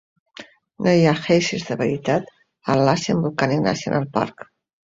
No hi ha guèisers de veritat al "Lassen Volcanic National Park".